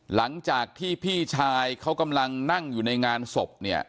หลังจากที่พี่ชายเขากำลังนั่งอยู่ในงานศพเนี่ย